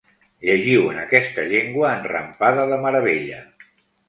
Llegiu en aquesta llengua enrampada de meravella.